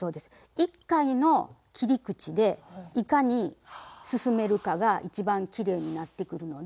一回の切り口でいかに進めるかが一番きれいになってくるので。